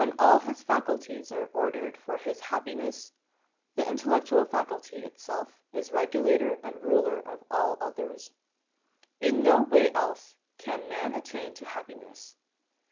i his faculties are ordered for his happiness, the intellectual faculty itself is regulator and ruler of all others ; in no way else can man attain to happiness.